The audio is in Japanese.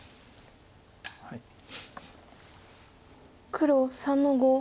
黒３の五。